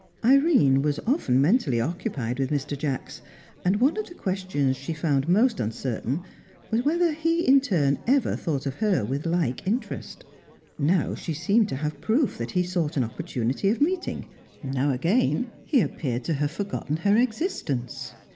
Irene was often mentally occupied with Mr. Jacks, and one of the questions she found most uncertain was whether he in turn ever thought of her with like interest. Now she seemed to have proof that he sought an opportunity of meeting; now, again, he appeared to have forgotten her existence.